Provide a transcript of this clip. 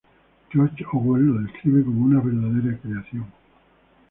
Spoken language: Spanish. George Orwell lo describe como "...una verdadera creación.